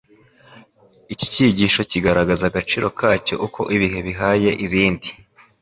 Iki cyigisho kigumana agaciro kacyo uko ibihe bihaye ibindi.